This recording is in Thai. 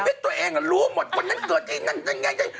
ชีวิตตัวเองรู้หมดวันนั้นเกิดจริงงั้นยังไง